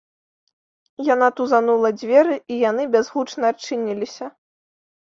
Яна тузанула дзверы, і яны бязгучна адчыніліся.